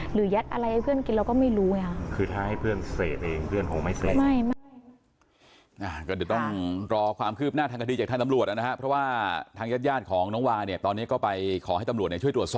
หรือยัดอะไรให้เพื่อนกินแล้วก็ไม่รู้คือถ้าให้เพื่อนเศษเองเพื่อนเขาไม่เศษ